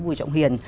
bùi trọng huyền